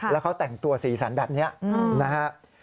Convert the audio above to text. แล้วเขาแต่งตัวสีสันแบบนี้นะฮะ